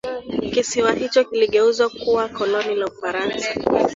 kisiwa hicho kiligeuzwa kuwa koloni la ufaransa